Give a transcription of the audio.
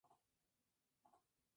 Sólo en forma temporal.